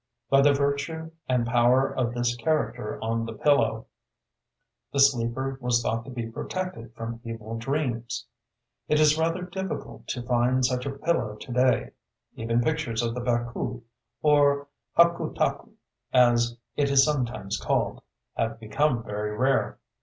By the virtue and power of this character on the pillow, the sleeper was thought to be protected from evil dreams. It is rather difficult to find such a pillow to day: even pictures of the Baku (or "Hakutaku," as it is sometimes called) have become very rare.